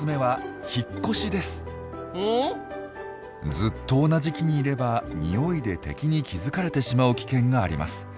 ずっと同じ木にいれば匂いで敵に気付かれてしまう危険があります。